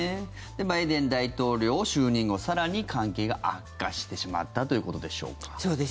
バイデン大統領就任後更に関係が悪化してしまったということでしょうか。